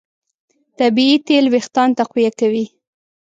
طبیعي تېل وېښتيان تقویه کوي.